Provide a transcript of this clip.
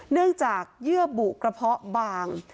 เนื่องจากเยื่อบุกระเพาะบาง